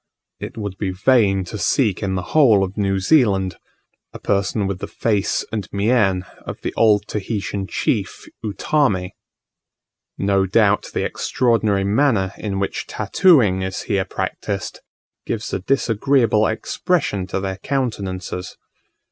It would be vain to seek in the whole of New Zealand a person with the face and mien of the old Tahitian chief Utamme. No doubt the extraordinary manner in which tattooing is here practised, gives a disagreeable expression to their countenances.